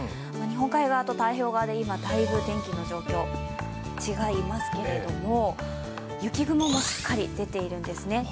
日本海側と太平洋側で今、だいぶ天気の状況が違いますけれども、雪雲もすっかり出ているんですね。